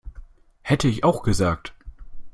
Hätte ich auch gesagt.